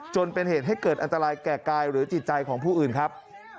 จนเป็นเหตุให้เกิดอันตรายแก่กายหรือจิตใจของผู้อื่นครับ